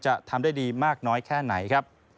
จะทำได้ดีมากน้อยแค่ไหนครับ